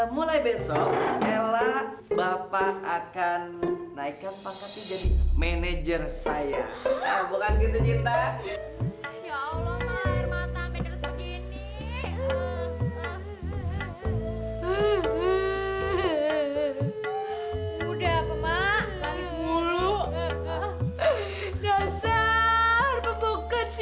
mulai besok ella bapak akan naikkan paket menjadi manajer saya bukan gitu